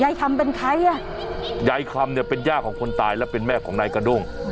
คำเป็นใครอ่ะยายคำเนี่ยเป็นย่าของคนตายและเป็นแม่ของนายกระด้ง